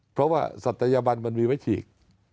เพราะว่าศัตยบันมันมีไว้ฉีก